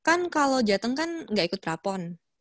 kan kalau jateng kan gak ikut prapon